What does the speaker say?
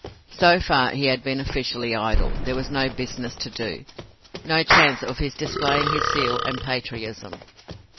So far he had been officially idle; there was no business to do, no chance of his displaying his zeal and patriotism.